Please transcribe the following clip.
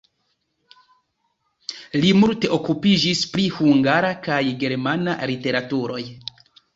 Li multe okupiĝis pri hungara kaj germana literaturoj.